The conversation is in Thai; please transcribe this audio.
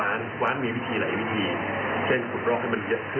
นะครับหรือเราทำเติมตันให้มันสูงขึ้นเราก็จะทำเก็บน้ำได้เยอะขึ้น